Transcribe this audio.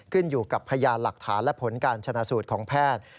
ขึ้นอยู่กับพยานหลักฐานและผลการชนะสูตรของแพทย์